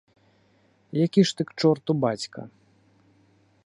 Які ж ты к чорту бацька!